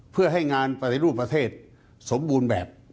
เพื่อให้งานปฏิรูปประเทศสมบูรณ์แบบ